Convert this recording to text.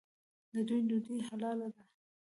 د دوی ډوډۍ حلاله ده.